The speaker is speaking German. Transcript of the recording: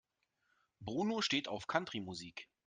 Bruno steht auf Country-Musik.